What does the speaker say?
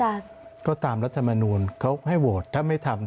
ก็ตามรัฐมนูลเขาให้โหวตถ้าไม่ทำ